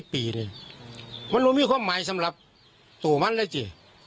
ปีนี้มันรู้มีความหมายสำหรับตัวมันเลยสิ